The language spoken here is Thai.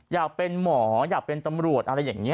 อยากเป็นหมออยากเป็นตำรวจอะไรอย่างนี้